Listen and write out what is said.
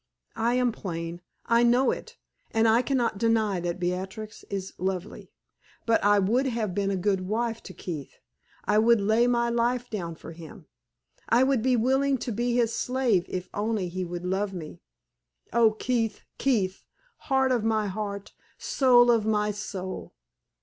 I am plain I know it and I can not deny that Beatrix is lovely. But I would have been a good wife to Keith; I would lay my life down for him; I would be willing to be his slave if only he would love me. Oh, Keith! Keith! Heart of my heart, soul of my soul!"